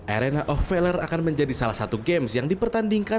arena of failer akan menjadi salah satu games yang dipertandingkan